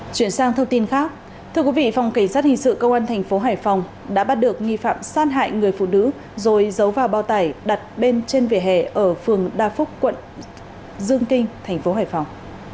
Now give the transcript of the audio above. chuyển sang thông tin khác thưa quý vị phòng cảnh sát hình sự công an thành phố hải phòng đã bắt được nghi phạm sát hại người phụ nữ rồi giấu vào bao tải đặt bên trên vỉa hè ở phường đa phúc quận dương kinh thành phố hải phòng